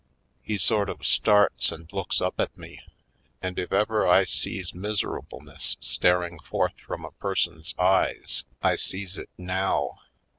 He sort of starts and looks up at me, and if ever I sees miserableness staring forth from a person's eyes I sees it now.